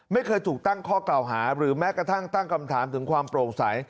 ไม่เคยถูกตั้งข้อกล่าวหาหรือแม้กระทั่งตั้งคำถามถึงความโปร่งใส